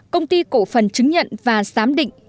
một mươi công ty cổ phần chứng nhận và giám định